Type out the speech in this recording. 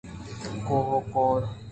کوہ ءُ کور